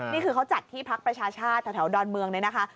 นี่คือเขาจัดที่พักประชาชาติแถวดอนเมืองเลยนะคะ